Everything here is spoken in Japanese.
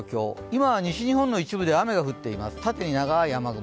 今は西日本の一部で雨が降っています、縦に長い雨雲。